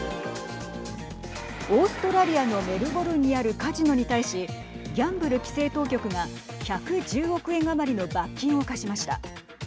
オーストラリアのメルボルンにあるカジノに対しギャンブル規制当局が１１０億円余りの罰金を科しました。